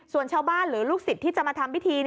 ส่วนชาวบ้านหรือลูกศิษย์ที่จะมาทำพิธี